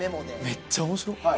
めっちゃ面白っ！